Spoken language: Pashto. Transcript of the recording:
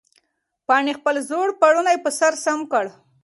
پاڼې خپل زوړ پړونی په سر سم کړ.